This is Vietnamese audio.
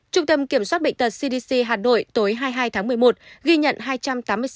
trung tâm kiểm soát bệnh tật cdc hà nội tối hai mươi hai tháng một mươi một ghi nhận